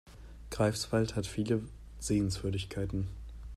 Greifswald hat viele Sehenswürdigkeiten